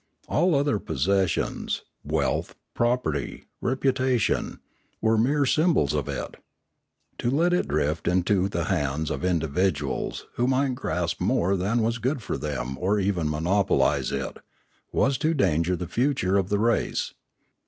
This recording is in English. All other possessions (wealth, property, reputation) were mere symbols of it. To let it drift into the hands of indi viduals, who might grasp more than was good for them or even monopolise it, was to endanger the future of the race.